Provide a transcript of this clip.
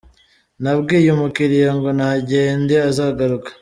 Nabwiye umukiliya ngo nagende azagaruke